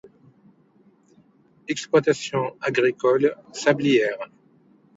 Exploitations agricoles, sablières.